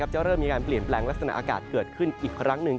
จะเริ่มมีการเปลี่ยนแปลงลักษณะอากาศเกิดขึ้นอีกครั้งหนึ่ง